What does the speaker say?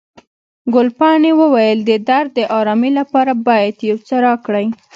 ګلپاڼې وویل، د درد د آرامي لپاره باید یو څه راکړئ.